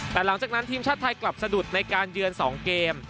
แต่หลังจากนั้นทีมชาติไทยกลับสะดุดในการเยือน๒เกม